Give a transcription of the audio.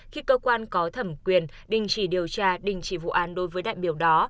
khi cơ quan có thẩm quyền đình chỉ điều tra đình chỉ vụ án đối với đại biểu đó